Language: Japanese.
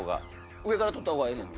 上から撮ったほうがええねんて。